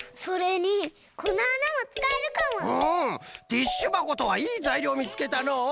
ティッシュばことはいいざいりょうみつけたのう。